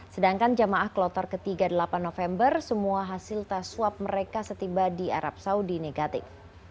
sedangkan jemaah kloter ke tiga delapan november semua hasil tas swab mereka setiba di arab saudi negatif